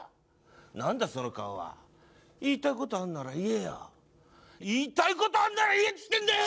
何だその顔は言いたいことあんなら言えよ言いたいことあんなら言えっつってんだよ！